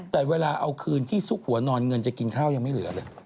แต่เวลาเอาคืนที่ซุกหัวนอนเงินจะกินข้าวยังไม่เหลือเลย